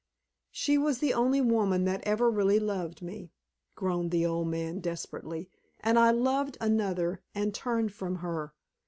"She was the only woman that ever really loved me!" groaned the old man, desperately. "And I loved another, and turned from her.